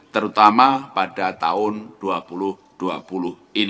terutama pada tahun dua ribu dua puluh ini